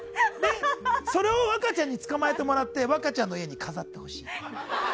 それを若ちゃんに捕まえてもらって若ちゃんの家に飾ってほしい。